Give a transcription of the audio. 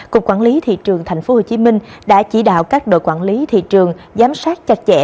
cục quản lý thị trường tp hcm đã chỉ đạo các đội quản lý thị trường giám sát chặt chẽ